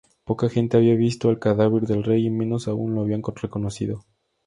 Poca gente había visto al cadáver del rey y menos aún lo habían reconocido.